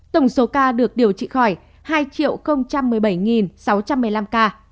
tổng số ca được điều trị khỏi hai một mươi bảy sáu trăm một mươi năm ca